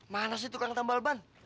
mana sih tukang tambal ban